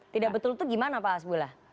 tidak betul itu gimana pak hasbullah